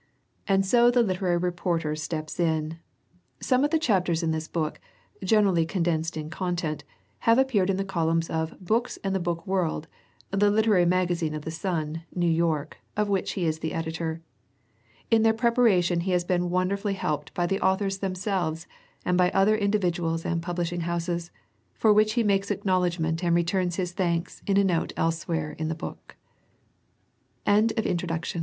And so the literary reporter steps in. Some of the chapters in this book, generally condensed in content, have appeared in the columns of Books and the Book World, the literary magazine of The Sun, New York, of which he is the editor. In their preparation he has been wonderfully helped by the authors them selves and by other individuals and publishing houses, for which he makes acknowledgment and returns his thanks in a note